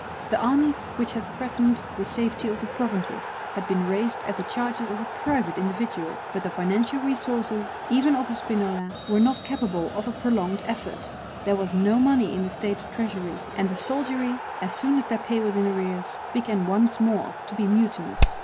The armies which had threatened the safety of the Provinces had been raised at the charges of a private individual, but the financial resources, even of a Spinola, were not capable of a prolonged effort; there was no money in the State treasury; and the soldiery, as soon as their pay was in arrears, began once more to be mutinous.